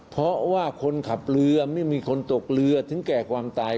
เพราะว่าคนขับเรือไม่มีคนตกเรือถึงแก่ความตาย